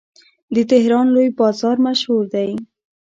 د تهران لوی بازار مشهور دی.